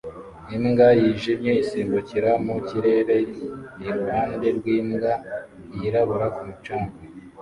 Imbwa yijimye isimbukira mu kirere iruhande rw'imbwa yirabura ku mucanga